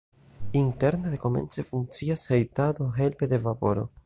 Interne dekomence funkcias hejtado helpe de vaporo.